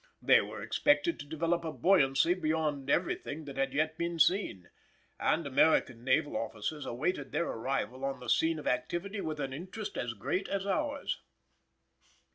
They were expected to develop a buoyancy beyond everything that had yet been seen, and American naval officers awaited their arrival on the scene of activity with an interest as great as ours.